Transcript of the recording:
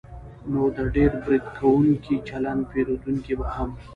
نو د ډېر برید کوونکي چلند پېرودونکی به هم